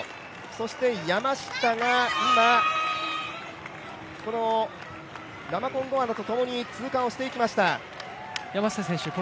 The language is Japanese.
そして山下が今、このラマコンゴアナとともに通過をしていきました。